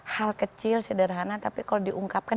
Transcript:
hal kecil sederhana tapi kalau diungkapkan